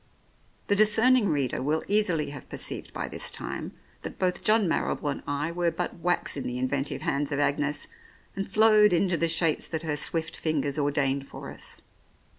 The discerning reader will easily have perceived by this time that both John Marrible and I were but wax in the inventive hands of Agnes, and flowed into the shapes that her swift fingers ordained for us.